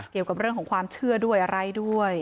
เกี่ยวกับเรื่องของความเชื่อด้วยอะไรด้วย